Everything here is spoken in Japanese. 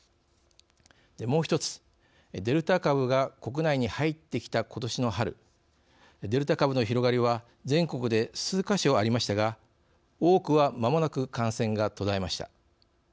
もう１つ、デルタ株が国内に入ってきた、ことしの春デルタ株の広がりは全国で数か所ありましたが多くは間もなく感染が途絶えました。